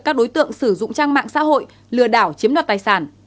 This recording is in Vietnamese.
các đối tượng sử dụng trang mạng xã hội lừa đảo chiếm đoạt tài sản